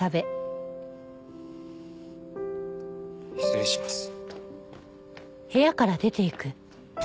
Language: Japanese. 失礼します。